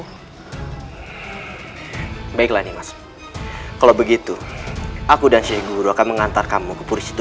hai baiklah nih mas kalau begitu aku dan syed guru akan mengantar kamu ke puris itu